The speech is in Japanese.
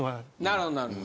なるほどなるほど。